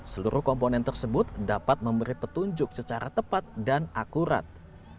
seluruh komponen tersebut dapat memberi petunjuk secara tepat dan akurat